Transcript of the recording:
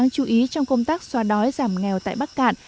đáng chú ý trong công tác xóa đói giảm nghèo tại bắc cạn